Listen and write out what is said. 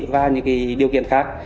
và những điều kiện khác